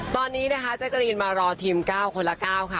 ตอนนี้นะคะแจ๊กกะรีนมารอทีม๙คนละ๙ค่ะ